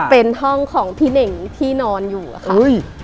เป็นห้องของพี่เน่งที่นอนอยู่อะค่ะ